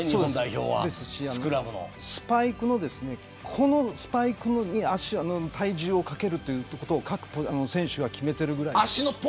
このスパイクに体重をかけるということを各選手が決めているぐらい。